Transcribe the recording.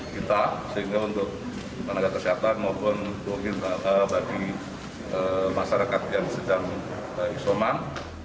kita sehingga untuk tenaga kesehatan maupun mungkin bagi masyarakat yang sedang isoman